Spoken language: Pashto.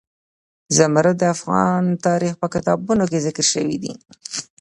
زمرد د افغان تاریخ په کتابونو کې ذکر شوی دي.